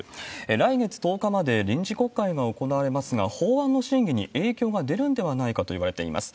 来月１０日まで臨時国会が行われますが、法案の審議に影響が出るんではないかといわれています。